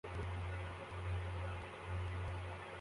Abagore n'abana bake barimo gukusanya ibintu bivuye mu rutare